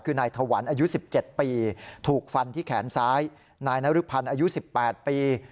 คือนายธวรรณอายุ๑๗ปี